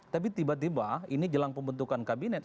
tapi tiba tiba ini jelang pembentukan kabinet